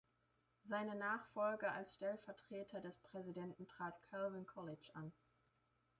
Seine Nachfolge als Stellvertreter des Präsidenten trat Calvin Coolidge an.